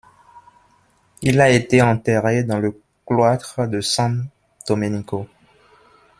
Il a été enterré dans le cloître de San Domenico.